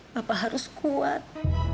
bapak harus kuat